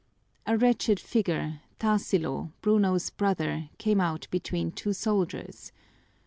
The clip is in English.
A wretched figure, Tarsilo, Bruno's brother, came out between two soldiers.